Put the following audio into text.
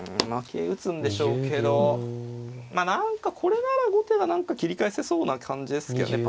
桂打つんでしょうけどまあ何かこれなら後手が何か切り返せそうな感じですけどね。